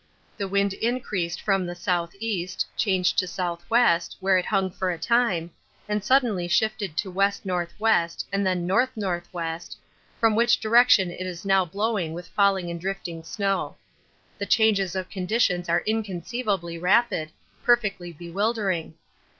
The wind increased from the S.E., changed to S.W., where it hung for a time, and suddenly shifted to W.N.W. and then N.N.W., from which direction it is now blowing with falling and drifting snow. The changes of conditions are inconceivably rapid, perfectly bewildering.